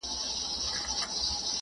د پردي کلي د غلۀ کانه ور وسوه ,